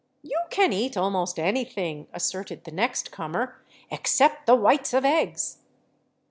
'* You can eat almost anything," asserted the next comer, " except the whites of eggs."